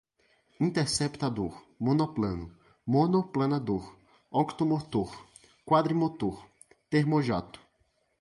Interceptador, monoplano, monoplanador, octomotor, quadrimotor, termojato